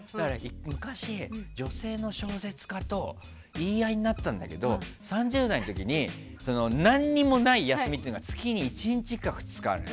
昔、女性の小説家と言い合いになったんだけど３０代の時に何にもない休みっていうのが月に１日か２日ある。